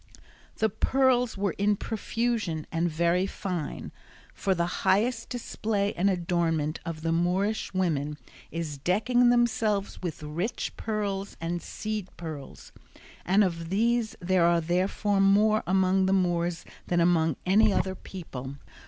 The pearls were in profusion and very fine, for the highest display and adornment of the Moorish women is decking themselves with rich pearls and seed pearls; and of these there are therefore more among the Moors than among any other people.